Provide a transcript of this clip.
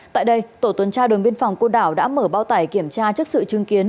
tại đây tổ tuần tra đồn biên phòng cô đảo đã mở bao tải kiểm tra trước sự chứng kiến